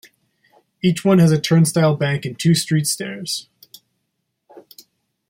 Each one has a turnstile bank and two street stairs.